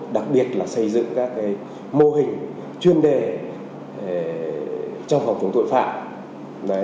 đặc biệt là xây dựng các mô hình chuyên đề trong phòng chống tội phạm